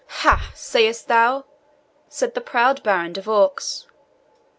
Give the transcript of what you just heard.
"Ha! sayest thou?" said the proud Baron de Vaux.